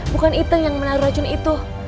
bukan ite yang menaruh racun itu